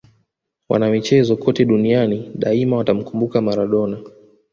wanamichezo kote duniani daima watamkumbuka maradona